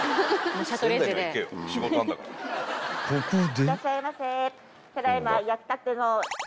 ［ここで］